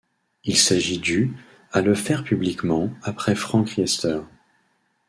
Il s'agit du à le faire publiquement, après Franck Riester.